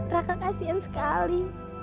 raka kasian sekali